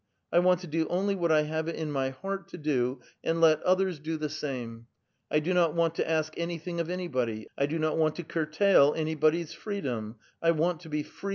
I want to do onlv what I have it in mv heart to do, and let others do the same ; I do not want to ask anything of anybody ; I do not want to curtail anybody's freedom ; I want • to be free mvself